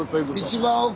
一番奥。